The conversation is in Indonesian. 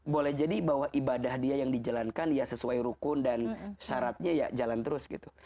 boleh jadi bahwa ibadah dia yang dijalankan ya sesuai rukun dan syaratnya ya jalan terus gitu